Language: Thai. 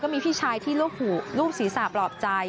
ก็มีพี่ชายที่ลูกหูลูกศีรษะปลอบใจ